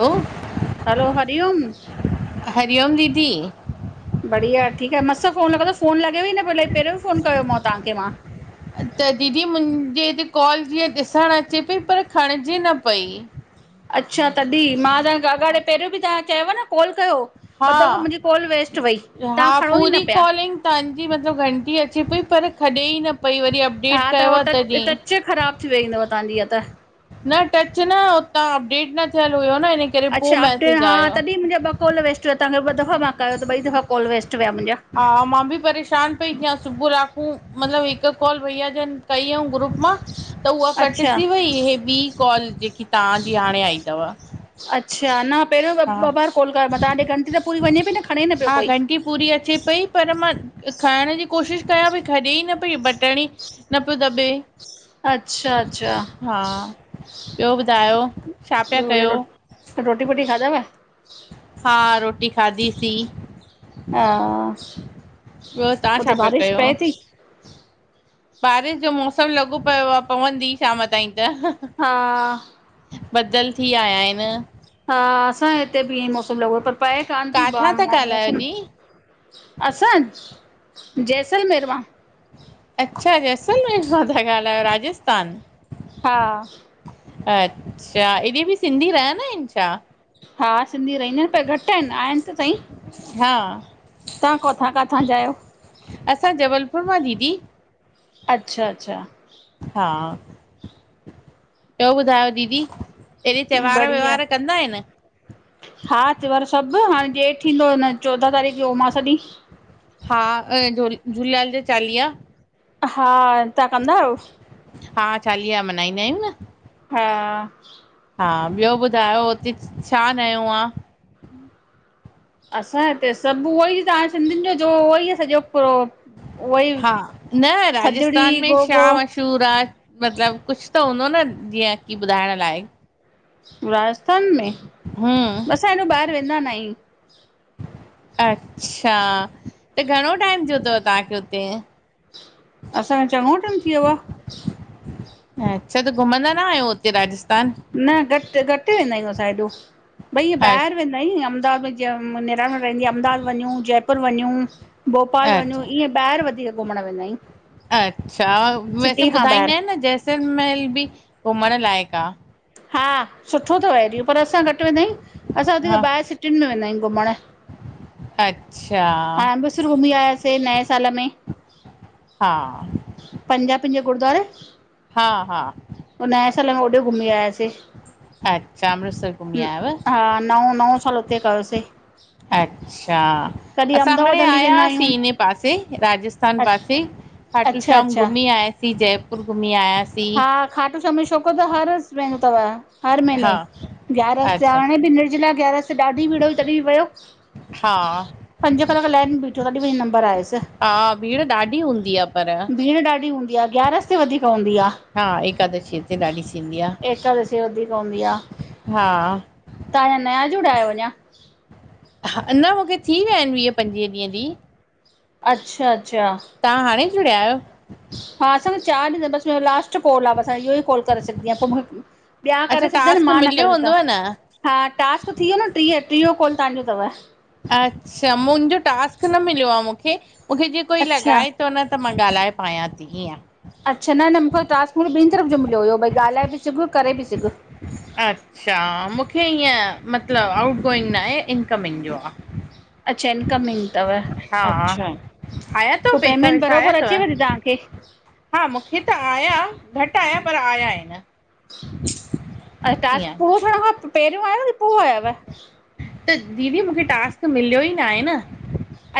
हलो hello, Hari Om Hariom, दीदी बढ़िया, ठीकु आहे, मस् फ़ोन लॻंदो। फोन लॻे ई न, भली पहिरियों ईअं फोन कयो तव्हांखे मां। त दीदी, मुंहिंजे हित कॉल जीअं ॾिसणु अचे पई, पर खणिजे न पईं। अच्छा तॾहिं, मां तव्हांखे अगड़े पहिरियों बि तव्हां चयव न कॉल कयो। ॿ हा दफ़ो मुंहिंजी कॉल वेस्ट वई, हा तव्हां खणो ई न पूरी पिया। कॉलिंग तव्हांजी मतलबु घंटी अचे पई, पर खॾे ई न पई, वरी अपडेट हा त कयो उहो आहे टच तॾीं। टच ख़राबु थी वई अथव तव्हांजी ई त न टच न, हुतां अपडेट न थियल हुयो न हिन अच्छा अपडेट हा, तॾहिं मुंहिंजा ॿ कॉल वेस्ट हुआ। तव्हांखे ॿ दफ़ा मां कयो त ॿई दफ़ा कॉल वेस्ट विया मुंहिंजा। हा, मां बि परेशानु पई थियां सुबुह लाकू, मतिलबु हिकु कॉल भईया जन कई हुय ग्रुप मां त उहा अच्छा कटिजी वई, हे ॿी कॉल जेकी तव्हांजी हाणे आई अथव। अच्छा! न पहिरियों हा ॿ बार कॉल कयो मां तव्हां ॾे, ग़नटी त पूरी वञे पई न खणे न पियो हा कोई। घंटी पूरी अचे पई, पर मां खाइण जी कोशिशि कयां पई, खॾे ई न पई बटणी न पोइ दबे अच्छा-अच्छा ॿियो ॿुधायो? छा पिया कयो? रो रोटी वोटी खाधा व? हा रोटी खाधी सि। हा तव्हां छा उते पिया बारिश कयो? पए थी? बारिश जो मौसम लॻो पयो आ पवंदी शाम ताईं त। हा बदल थी आया आहिन। हा असां हिते भी मौसम लगो, पर पए कान थी काथां बाम था ॻाल्हायो मौसम। दी? असां! जैसलमेर मा। अच्छा! जैसलमेर मां था ॻाल्हायो, राजस्थान। हा। अच्छा! एबिभी सिंधी रहंदाइन छा? हा, सिंधी रहिंदा त घट आहिन, आहिन त सई। हा। तां, कथां-काथां जायो? असां, जबलपुर मां दीदी। अच्छा-अच्छा। हा, त ॿुधायो दीदी? एॾे त्योहार बढिया। व्योहार कंदा आहिनि? हा, त्योहार सभु, हाणे डेत थींदो न चोॾहं तारीख़ जो उमास सॾीं। हा, अंए झूलेलाल जा चालीहा। हा, तां कंदा आयो? हा, चालीहा मन्नाईंदा आहियूं ना। हा। हा, ॿियो ॿुधायो हुते छा नयो आ। असां हिते सभु उहो ई तां सिंधियुन जो उहो ई सॼो पूरो। उहो ई हा, न थधिड़ी राजस्थान में छा गोगो मश। सूर आ मतलब कुछ त हूंदो न जीय की ॿुधाइण लाइ। राजस्थान में! हम्म असां हेॾो ॿाहिर वेंदा न आहि। अच्छा, त घणो टाइम थियो त तांखे हुते। असां चंगो टाइम थियो आ। अच्छा, त घुमंदा न आयो हुते राजस्थान? न घट् घट् वेंदा आहियूं असां हेॾो, भई इह अ ॿाहिर। नही, अहमदाबाद में जीय निराणू रहंदीया अहमदाबाद वञू, जयपुर वञू। भोपाल वञू अच्छा ईअं ॿाहिर वधीक घुमण वेंदा आहियूं। अच्छा, वैसे सिटी खां ॿुधाईंदा आहिन ॿाहिरि न जैसलमेर बि घुमण लाइक़ु आ। हा सुठो थव इडियो पर असां घट् वेंदा आहिं। असां वधिक हा ॿाहिर सिटीयूंन में वेंदा आहियूं घुमण अच्छा हा। फिर घुमी आयासे नए साल में। हा। पंजापिंजे गुरुद्वारे। हा हा। उन एसा लगो हूॾे घुमी आयासे। अच्छा अमृतसर घुमी आयव हा, नओ नओ साल हुते कयोसे। हा। अच्छा, असां अहमदाबाद हाणे हली वेंदा आहियूं आयासीं इन पासे राजस्थान पासे। खाटू अच्छा श्याम अच्छा घुमी आयासीं, जयपुर घुमी आया। हा! खाटू श्याम मुहिंजी छोकरो त हर वेंदो थव हर महीने हा ग्यारह ते अच्छा हाणे बि निर्जला ग्यारस ते ॾाढी भीड़ हुई तॾी बि वयो। हा पंज कलाक लाइन में बीठो तॾी वनी नम्बर आयुस हा भीड़ ॾाढी हूंदी आहे पर भीड़ ॾाडी हूंदी आ। ग्यारस ते वधीक हूंदी आ। हा एकादशी ते ॾाढी थींदी आहे एकादशी वधीक हूंदी आ। हा तां हाणे नया जुड़ा आयो अञा? हा न मूंखे थी विया आहिन वीह पंजवीह ॾींहं दी अच्छा अच्छा तां हाणे जुड़िया आयो? हा असां चार बस लास्ट कॉल आ बस इहो ई कॉल करे सघदी आहियां पोए मुं ॿिया अच्छा करे सघंदा आहीन टास्क मां न करे मिलियो सघंदम हूंदव न हा टास्क थी वियो न टीह, टीहो कॉल तांजो थव। अच्छा मुंहिंजो टास्क न मिलियो आ मूंखे, मूंखे जिय कोई अच्छा लॻाए थो न त मा ॻालाए पायां थी हीअं अच्छा न न मूंखे टास्क ॿिन तरफ़ जो मिलियो हुयो भई ॻालाए भी सघ करे भी सघ। अच्छा मूंखे ईअं मतलब आउट गोइंग जो नाए इनकमिंग जो आ। अच्छा इनकमिंग थव हा अच्छा आया अथव पो पैसा पेमेंट वैसा आया बरोबर अचेव थी अथव तां खे? हा मूंखे त आया, घट आया पर आया आहिन अच्छा टास्क शुरु थियण खां पहरियो आयव की पो आयव? त दीदी मूंखे टास्क मिलियो ई नाए न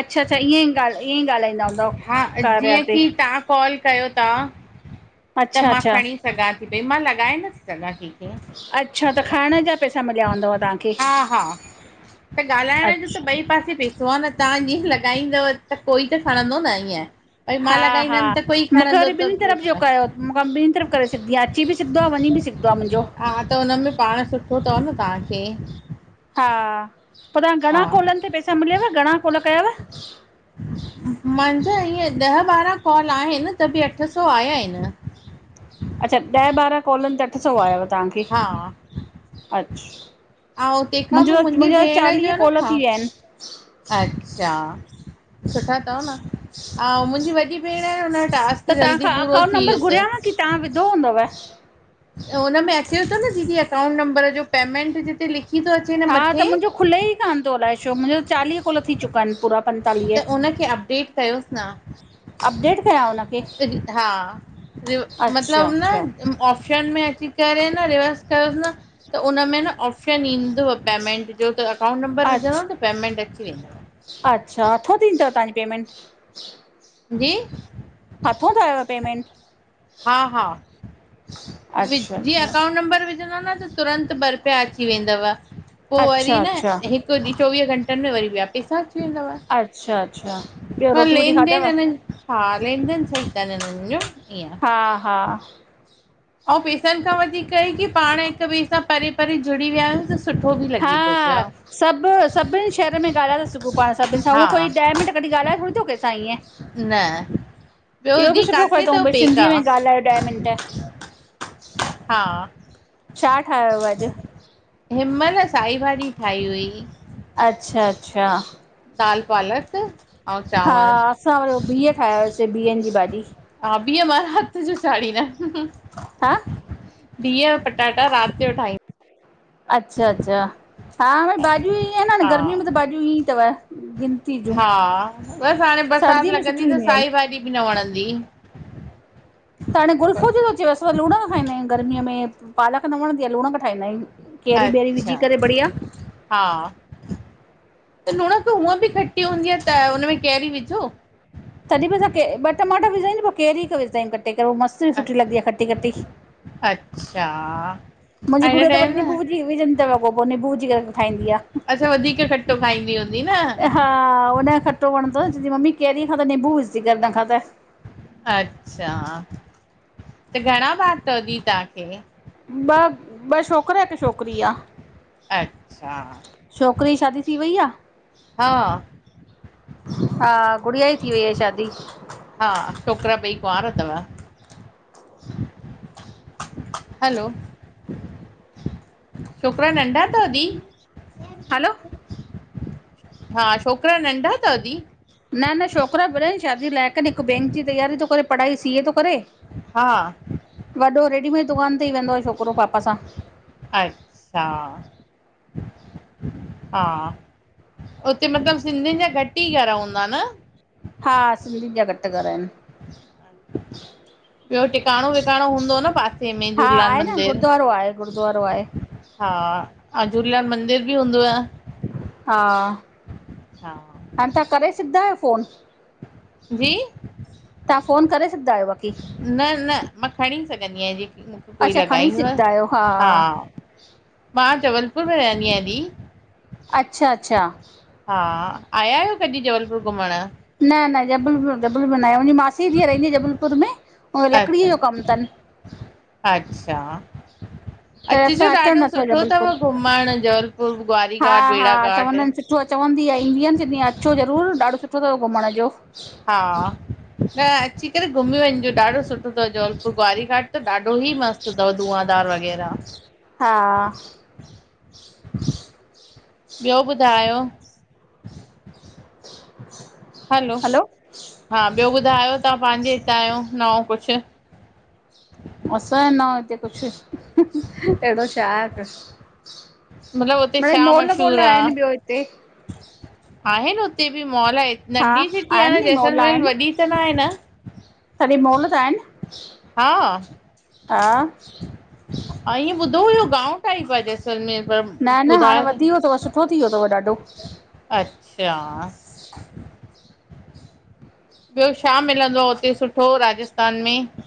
अच्छा त ईअं ई ॻाल, ईअं ई ॻालाईंदा हूंदव हा कारिया जीअं ते। की तव्हां कॉल कयो तां त अच्छा मा अच्छा खणी सघां थी, पई मां लॻाए नथी सघां अच्छा त खरण जा पैसा मिलिया हूंदव तां खे हा हा त ॻालाइण जो त अच्छा ॿई पासे पो न तां जीअं लॻाईंदव त कोई त खणंदो न ईअं। भई हा मां हा लॻाईंदमि त कोई मूंखे खणंदो वरी ॿिनी तरफ़ जो त कयो। मूंख ॿिनी तरफ़ करे सघदी आ। अची भी सघदो आ, वञी भी सघदो आ मुंजो। हा त हुन में पाण सुठो थव न तखे हा, पो तां खे हा घणा कॉल ते पैसा मिलियव, घणा कॉल कयव? मंजा इअं ॾह ॿारां कॉल आहिन त भी अठ सौ आया आहिन। अच्छा ॾह ॿारनि कॉलनि जा अठ सौ आयव। तव्हांखे हा। अच्छा अउं तंहिं खां पो मुंहिंजो मुंहिंजी मुंहिंजा भेण चालीह जो न कॉल हा थी विया आहिनि अच्छा सुठा थव न अउं मुंहिंजी वॾी भेण उन टास्क त जल्दी तव्हांखां पूरो अकाउंट थी नंबर वियुस। घुरियांव की तां विधो हूंदव त हुन में अचेव थो न दीदी अकाउंट नंबर जो पेमेंट जिते लिखी थो अचे न हा त मथे मुंहिंजो खुले ई कोन थो अलाए छो? मुंहिंजो चालीह कॉल थी चुका आहिन पूरा पंज त उनखे अपडेट कयोस अपडेट कयां हुनखे न। हा [unintelligible] अच्छा मतलब अच्छा न ऑप्शन में अची करे न रिवर्स कयोस न, त उनमें न ऑप्शन ईंदो पेमेंट जो त अकाउंट नंबर विझंदो अच्छा न पेमेंट अचे। अच्छा थोड़ी ॾीदा पेमेंट जी हथो हथ आयव पेमेंट? हा- हा अच्छा जीअं अच्छा अकाउंट नंबर विझंदव न त तुरंत ब् रू पया अची वेंदव पोइ वरी अच्छा न- अच्छा - हिक ॾींह चोवीह घंटन में वरी बिया पैसा वेंदव अच्छा -अच्छा ॿियो रोटी वोटी खाधव? हाँ, लेन -देन सही तन हिनन जो ईअं हाँ- हाँ, ऐं पेसन खां वधीक ई की पाण हिक ॿिए सां परे- परे जुड़ी विया आहियूं सुठो बि लॻे थो पियो। हा सभ सभिन शहर में ॻाल्हाए था, सघूं पाण सभिन सां ड्ह हा कोई ॾह मिंट कॾी ॻाल्हाये।, थोड़ी तो कैंसां ईंएं? न ॿियो इहो दी बि सुठो कयो काथे तऊं, थो भई, पेका? सिंधीअ में ॻाल्हायों ॾह मिंट। हाँ- - छा ठाहिव अड्। हिन मल साई भाडी ठाही हुई। अच्छा -अच्छा दाल- पालक हा चांवर असां वरी बीह ठाया यास बीहन जी भाडी्। हाँ, बिह, मां रात जो चाड़ींदम। हाँ? बिह पटाटा रात जो ठाहींद अच्छा -अच्छा हा भई भाडीयूं ईअं न हा गर्मीअ में त भाडीयूं ईअं तव। हा बस हाणे बरसात सर्दीअ में लॻंदी सुठियूं त ईंदियूं आहिनि साई, भाॼी बि न वणंदी। त हाणे गुलफ़ू जो थो अचे असां लूणक खाईंदा आहियूं गर्मीअ में पालक न वणंदी आहे लूणक खाईंदा आहियूं। केरी बेरी विझी अच्छा करे, बढ़िया। हा त लुणक हूअं बि खटी हूंदी आ, त हुन में कैरी विझो? तॾहिं बि असा ॿ टमाटा विझंदायूं, पोइ केरी हिक विझंदायूं, कटे करे पो मस्त सुठी अच्छा लगदी आ खटी- खटी। अच्छा। मुंहिंजी ऐं हिन गुड़िया, त टाइम वरी न निबू विजी विझंदी पो निबू विजी करे ठाईंदी आ। अच्छा, वधीक खटो खाईंदी हूंदी न? हा, हुनखे खटो वणंदो चईंदी मम्मी केरी खा, त निंबू विझी करे खा तंहिंखां त। अच्छा, त घणा बा्र तव दी तव्हांखे? ॿ ॿ छोकरा, हिक छोकरी आ। अच्छा छोकरे, जी शादी थी वई आ। हा हा, गुड़िया जी, थी वई आ शादी। हा छोकरा, ॿई कुंवारा तव- - हलो छोकरा, नंढा तव दी। हलो, हा, छोकरा नंढा तव दी। न न छोकरा वडा ईन, शादी लाइक़ इन हिक बैंक जी तयारी थो करे, पढ़ाई सीए तो करे। हाँ, वॾो रेडीमेड दुकान ते ई वेंदो आ, छोकरो पापा सां। अच्छा, हाँ। उते मतलब सिंधियन जा घट ई, घर हूंदा न। हाँ, सिंधीन जा घट घर आहिन। ॿियो टिकाणो विकाणो हूंदो न, पासे में हा झूलेलाल आहे न मंदिर। गुरुद्वारो आहे गुरुद्वारो आहे। हा, ऐं झूलेलाल मंदिर बि हूंदुव। हा हा हाणे तां करे सघदा आहियो फोन जी तां फ़ोन करे सघंदायो न न मां खणी सघंदी आहियां जेकी मूंखे कोई अच्छा खणी लॻाईंदो सघंदा आहियो हा मां जबलपुर में रहंदी आहियां दी अच्छा अच्छा हा आया आहियो कॾहिं जबलपुर घुमण न न जबलपुर जबलपुर न आहे मुंहिंजी मासीअ जी धीअ रहंदी आहे जबलपुर में उय लकड़ीअ अच्छा जो कमु तनि अच्छा त अचिजो अंसाजो अचु ॾाढो न थिय सुठो जबलपुर अथव घुमण जबलपुर ग्वारी हा घाट हा बेड़ा घाट चवंदा चवंदी आहे ईंदी आ ईंअ भी चवंदी आ अचो ज़रूरु ॾाढो सुठो अथव घुमण जो हा न अची करे घुमी वञिजो ॾाढो सुठो जबलपुर ग्आरी घाट त ॾाढो ईी मस्त अथव धुआधार वग़ैरह हा ॿियो ॿुधायो हलो हा ॿियो ॿुधायो तव्हां पंहिंजे हितां आयो न ओं कुछु असां न हुते कुछु अहिड़ो छा मतिलबु हुते मिड़इ छा मॉल मोल मशहूरु आहिनि ॿियो हिते आहे उते बि मॉल आहे हा नंढी सिटी आहिनि आहे न नी मॉल जैसलमेर वॾी त न आहे न तड्हे मॉल त आहिनि हा हा अ ईअ ॿुधो हुयो गाओ ाई ब स म न न हाणे उधार वधी वियो अथव सुठो थी वियो अथव ॾाढो अच्छा ॿियो छा मिलंदो आ हुते सुठो राजस्थान में जीअं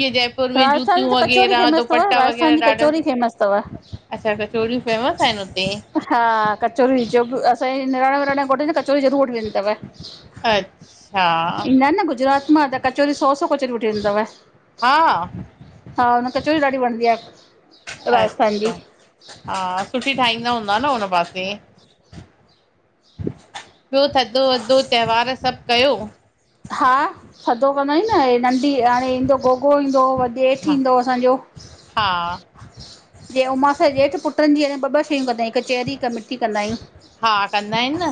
जय जबलपुर में राजस्थान जी जूतियूं त कचौरी वगैरह फेमस अथव दुपट्टा राजस्थान जी वग़ैरह ॾाढा कचौरी फेमस अथव अच्छा कचोरियूं फेमस आहिनि हुते हा कचोरी जो असांजी निणान विणाण कोढदीं जो कचोरी ज़रूर वठी वेंदी तव अथव अच्छा ईंदा आहिनि न गुजरात मां त कचोरी सौ सौ कचोरी वठी ईींदव हा हा न कचोरी ॾाढी बणदी आहे राजस्थान जी अच्छा हा सुठी ठाहींदा हूंदा न हुन पासे ॿियो थधो वधो त्वारु सभु कयो हा थधो कंदा आहियूं न नंढी हाणे ईंदो गोगो ईंदो वॾेि जेठ हा थींदो असांजो हा। जे उमास जेह्ठि पुटनि जी ॿ ॿ शयूं कंदा हिकु चेरी हिकु मि ठी कंदा हा कंदा आहियूं। आहिनि न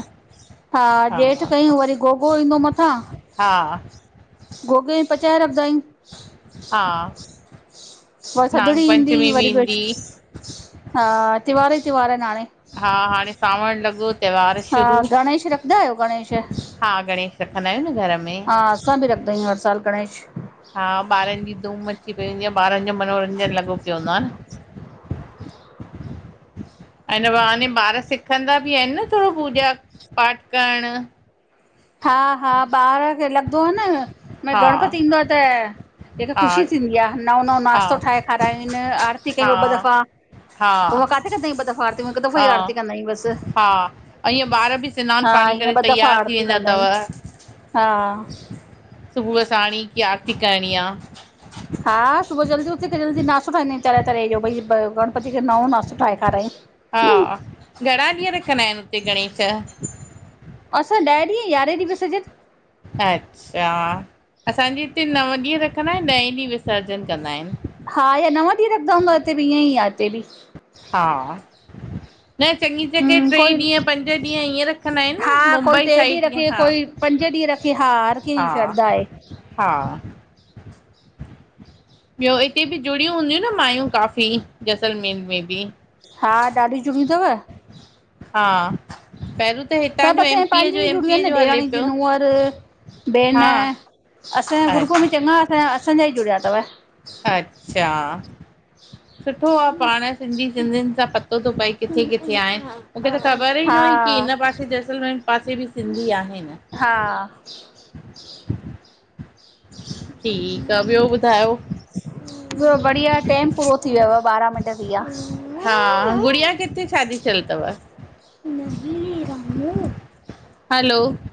हा जेठि कयूं वरी गोगरो ईंदो मथां हा गोगे में पचाए रखांदा अयू हा। व थदणी नाग ईंदी पंचमी बि वरी बर ईंदी हा त्योहार त्योहार अन हाणे हा हाणे सावण लॻो त्योहार हा शुरू गणेश रखदा आहियो गणेश हा गणेश रखंदा आहियूं न घर में हा, असां बि रखंदा आहियूं हर साल गणेश। हा ॿारनि जी धूम अची पई हूंदी आ, ॿारनि जो मनोरंजन लॻो पियो हूंदो आ न हिन बहाने ॿार सिखंदा बि आहिनि न थोरो पूॼा पाठ करणु हा -हा ॿार खे लॻदो आ न, हा गणपती इंदो आ त जें हिक हा ख़ुशी थींदी आ नओं- नओं हा नाश्तो ठाहे खाराईनि आरती हा कयूं ॿ दफ़ा हा- उहा काथे कंदा आहियूं ॿ दफ़ा आरती हिकु दफ़ो ई हा आरती कंदा आहियूं बसि -हा ऐं ईअं ॿार बि स्नान हा पाणी करे ईअं ॿ दफ़ा तैयार थी आरती इंदा कंदा तव, आहियूं हा सुबुह साणी की आरती करणी आ हा सुबुह जल्दी उथी त जल्दी नशो ठाईंदा तरह- तरह जो भई गणपती खे नओ नासतो ठाहे खारायूं हा, घणा ॾींहं रखंना आहिन हुते गणेश? असां ॾह ॾींह, यारहें ॾिहं विसजर्न अच्छा! असांजे हिते नव ॾींहं रखंदा आहिनि, ॾहें ॾींहं विसर्जन कंदा आहिनि हा या नव ॾींहं रखंदां हूंदा हिते बि ईअं ई आ ईते बि हा। न चङी जॻह हम्म टे कोई ॾींहं, पंज ॾींहं ईअं रखंदा आहिनि। हा कोई मुंबई टे ॾींहं साइड ईअं रखे हा कोई पंज ॾींह रखी हा, हर कहिंजी हा श्ररदा आहे। हा। ॿियो हिते बि जुड़ियूं हूंदियूं न माययूं काफ़ी, जैसलमेर में बि हा ॾाढी जुड़ियी थव हा पहिरो सभु असां पंहिंजी ई जुड़ियूं आहिनि, ॾेराणी जी पियो नूअर, भेण हा असांजे अ ग्रुप में चङा असांजा, असांजा ई जुड़िया अथव। अच्छा। सुठो आहे पाण सिंधी सिंधियुनि सां पतो थो पए किथे -किथे आहिन। मूंखे त ख़बर ई हा न हुई की हिन पासे जैसलमेर पासे बि सिंधी आहिनि। हा। ठीकु आ ॿियो ॿुधायो ब्यो बढ़िया टेम पूरो थी योव बारहां मिट थी ईया हा, गुड़िया किथे शादी थियल थव? न रहू हलो [unintelligible]